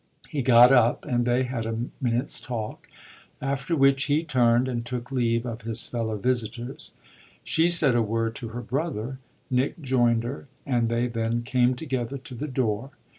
He got up and they had a minute's talk, after which he turned and took leave of his fellow visitors. She said a word to her brother, Nick joined her, and they then came together to the door.